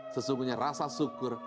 sesungguhnya rasa syukur